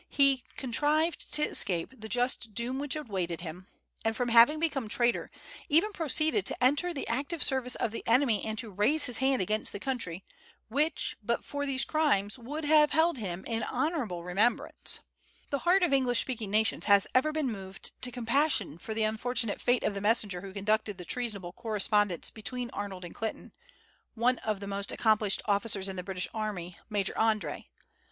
He contrived to escape the just doom which awaited him, and, from having become traitor, even proceeded to enter the active service of the enemy and to raise his hand against the country which, but for these crimes, would have held him in honorable remembrance. The heart of English speaking nations has ever been moved to compassion for the unfortunate fate of the messenger who conducted the treasonable correspondence between Arnold and Clinton, one of the most accomplished officers in the British army, Major André.